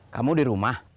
kamu di rumah